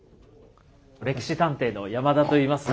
「歴史探偵」の山田といいます。